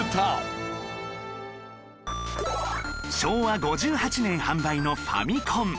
昭和５８年販売のファミコン